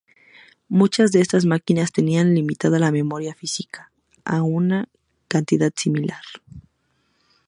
Muchas de estas máquinas tenían limitada la memoria física a una cantidad similar.